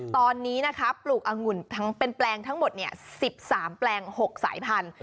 ตอนนี้นะคะปลูกอังุ่นทั้งเป็นแปลงทั้งหมด๑๓แปลง๖สายพันธุ